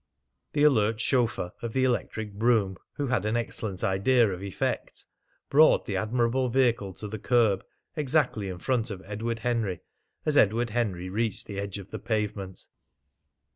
The alert chauffeur of the electric brougham, who had an excellent idea of effect, brought the admirable vehicle to the curb exactly in front of Edward Henry as Edward Henry reached the edge of the pavement.